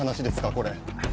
これ。